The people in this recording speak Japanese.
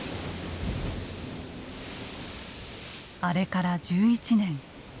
あれから１１年。